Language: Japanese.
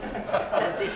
じゃあぜひ。